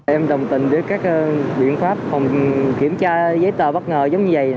em đồng tình với các biện pháp phòng kiểm tra giấy tờ bất ngờ giống như vậy